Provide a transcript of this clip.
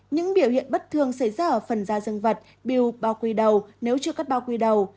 những biểu hiện bất thương xảy ra ở phần da dân vật biểu bào quy đầu nếu chưa cắt bào quy đầu